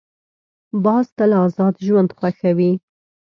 باز تل آزاد ژوند خوښوي